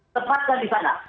tempatkan di sana